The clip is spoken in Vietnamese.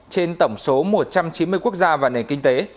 trên tổng số một trăm chín mươi quốc gia và nền kinh tế